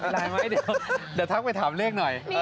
เดี๋ยวทักไปถามเลขหน่อย